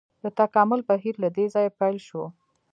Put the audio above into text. د تکامل بهیر له دې ځایه پیل شو.